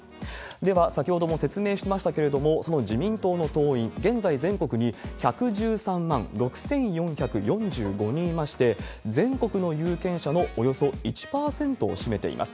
では、先ほども説明しましたけれども、その自民党の党員、現在全国に１１３万６４４５人いまして、全国の有権者のおよそ１％を占めています。